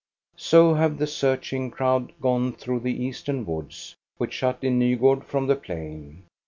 So have the searching crowd gone through the eastern woods, which shut in Nygard from the plain.